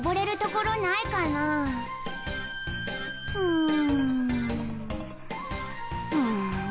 うん。